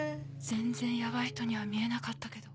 全然ヤバい人には見えなかったけど。